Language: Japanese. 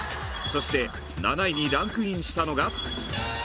そして７位にランクインしたのが。